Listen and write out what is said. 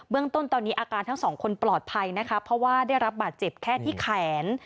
เรื่องต้นตอนนี้อาการทั้งสองคนปลอดภัยนะคะเพราะว่าได้รับบาดเจ็บแค่ที่แขน